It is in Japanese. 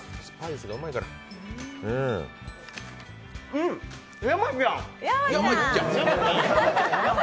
うん、山ちゃん！